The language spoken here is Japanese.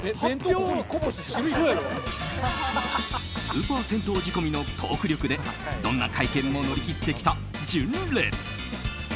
スーパー銭湯仕込みのトーク力でどんな会見も乗り切ってきた純烈。